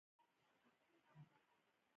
دپکتيا غرونه جلغوزي، لمنځی، نښتر ونی لری